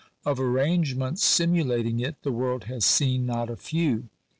Of arrangements simulating it, the world has seen not a few.